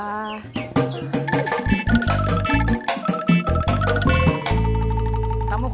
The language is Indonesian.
ya saya tambah